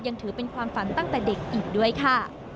ยังถือเป็นความฝันตั้งแต่เด็กอีกด้วยค่ะ